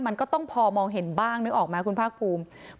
มันก็ต้องพอมองเห็นบ้างนึกออกไหมคุณภาคภูมิ